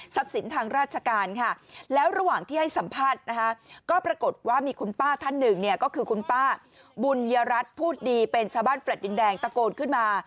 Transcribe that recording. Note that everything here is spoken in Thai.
สินทางราชการค่ะแล้วระหว่างที่ให้สัมภาษณ์นะคะก็ปรากฏว่ามีคุณป้าท่านหนึ่งเนี่ยก็คือคุณป้าบุญยรัฐพูดดีเป็นชาวบ้านแฟลต์ดินแดงตะโกนขึ้นมา